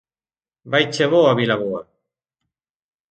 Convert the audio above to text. Vaiche boa Vilaboa!